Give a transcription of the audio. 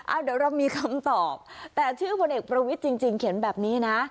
เอาเดี๋ยวเรามีคำตอบแต่ชื่อพลเอกประวิทย์จริงเขียนแบบนี้นะ